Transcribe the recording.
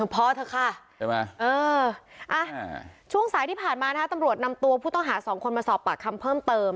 พอเถอะค่ะช่วงสายที่ผ่านมาตำรวจนำตัวผู้ต้องหา๒คนมาสอบปากคำเพิ่มเติม